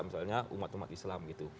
misalnya umat umat islam